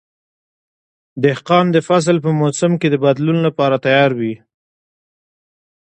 دهقان د فصل په موسم کې د بدلون لپاره تیار وي.